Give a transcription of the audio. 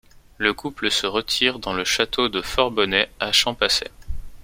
Le couple se retire dans le château de Forbonnais à Champaissant.